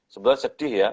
sebenarnya sedih ya